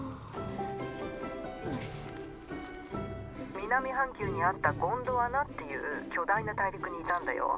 ☎南半球にあったゴンドワナっていう巨大な大陸にいたんだよ。